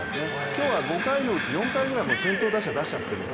今日は５回のうち、４回くらい先頭打者出しちゃってる。